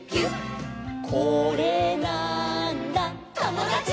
「これなーんだ『ともだち！』」